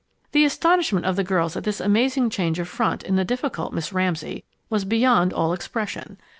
The astonishment of the girls at this amazing change of front in the difficult Miss Ramsay was beyond all expression.